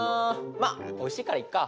まあおいしいからいっか。